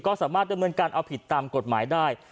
ก็สามารถดำเนินการเอาผิดตามกฎหมายได้